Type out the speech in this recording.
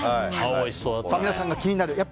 皆さんが気になる